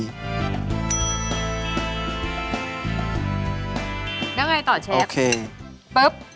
แล้วไงต่อเชฟปุ๊บ